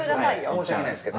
申し訳ないですけど。